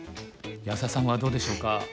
安田さんはどうでしょうか？